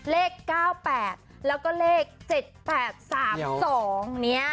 เลข๙๘แล้วก็เลข๗๘๓๒เนี่ย